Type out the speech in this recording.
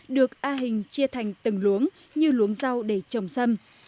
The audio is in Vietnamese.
được a hình chia thành từng luống như luống rau để trồng xâm